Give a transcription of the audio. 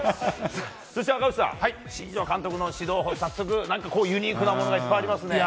そして赤星さん新庄監督の指導法、早速ユニークなものがいっぱいありますね。